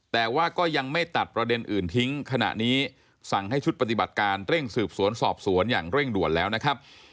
แต่ว่าก็ยังไม่ตัดประเด็นอื่นทิ้งขณะนี้สั่งให้ชุดปฏิบัติการเร่งสืบสวนสอบสวนอย่างเร่งด่วนแล้วนะครับ